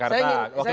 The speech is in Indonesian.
pak taufik pak